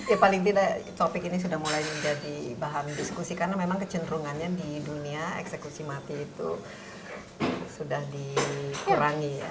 ya paling tidak topik ini sudah mulai menjadi bahan diskusi karena memang kecenderungannya di dunia eksekusi mati itu sudah dikurangi ya